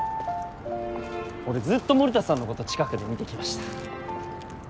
俺ずっと森田さんのこと近くで見てきました。